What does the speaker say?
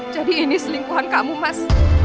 jadi ini selingkuhan kamu mas